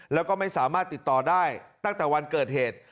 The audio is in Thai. แล้วก็ไม่สามารถติดต่อได้ตั้งแต่วันเกิดเหตุ